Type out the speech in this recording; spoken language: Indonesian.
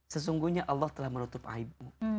sesungguhnya allah telah menutup aibmu